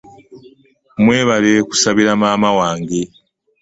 Mwebale kusabira maama wange.